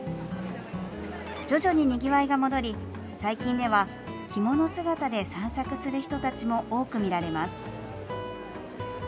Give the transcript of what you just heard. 徐々ににぎわいが戻り、最近では着物姿で散策する人たちも多く見られます。